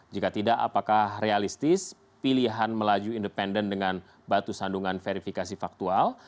jika tidak apakah realistis pilihan melaju independen dengan batu sandungan verifikasi faktual